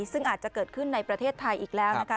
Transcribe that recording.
ซึ่งอาจจะเกิดขึ้นในประเทศไทยอีกแล้วนะคะ